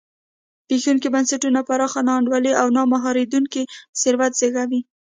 زبېښونکي بنسټونه پراخه نا انډولي او نه مهارېدونکی ثروت زېږوي.